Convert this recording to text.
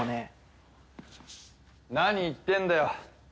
何言ってんだよ。